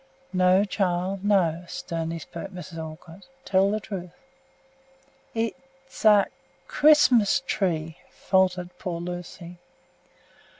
"No, child, no!" sternly spoke Mrs. Olcott. "Tell the truth!" "It's a Christmas tree!" faltered poor Lucy.